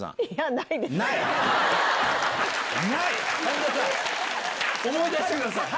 半田さん思い出してください！